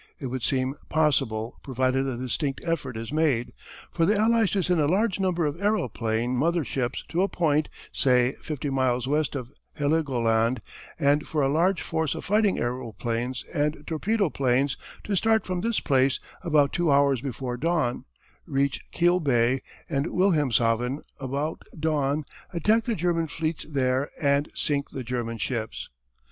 It would seem possible, provided a distinct effort is made, for the Allies to send a large number of aeroplane mother ships to a point, say, fifty miles west of Heligoland, and for a large force of fighting aëroplanes and torpedo planes to start from this place about two hours before dawn, reach Kiel Bay and Wilhelmshaven about dawn, attack the German fleets there and sink the German ships.